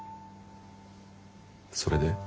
それで？